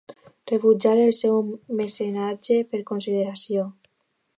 Rebutjar el seu mecenatge per consideració?